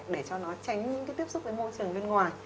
để cho nó tránh những cái tiếp xúc với môi trường bên ngoài